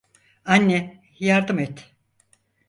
Anne, yardım et!